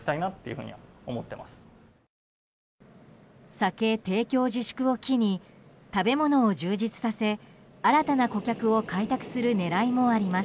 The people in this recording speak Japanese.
酒提供自粛を機に食べ物を充実させ新たな顧客を開拓する狙いもあります。